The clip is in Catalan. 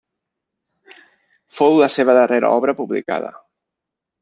Fou la seva darrera obra publicada.